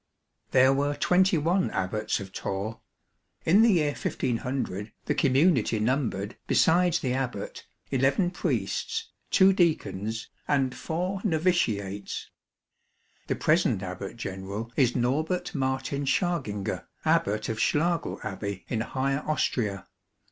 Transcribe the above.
There were twenty one Abbats of Torre. In the year 1500 the community numbered, besides the Abbat, eleven Priests, two Deacons, and four Novitiates. The present Abbat General is Norbert Martin Schaginger, Abbat of Schlagl Abbey, in Higher Austria.